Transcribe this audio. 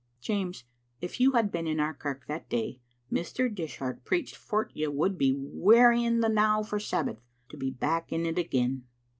" Jeames, if you had been in our kirk that day Mr. Dishart preached for't you would be wearying the now for Sabbath, to be back in't again.